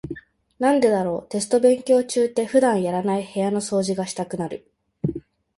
なんでだろう、テスト勉強中って普段やらない部屋の掃除がしたくなる。